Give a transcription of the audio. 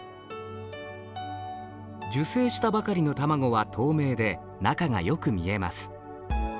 受精したばかりの卵は透明で中がよく見えます。